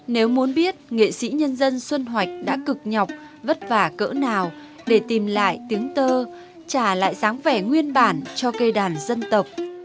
nếu muốn biết nghệ sĩ nhân dân xuân hoạch đã cực nhọc vất vả cỡ nào để tìm lại tiếng tơ trả lại dáng vẻ nguyên bản cho cây đàn dân tộc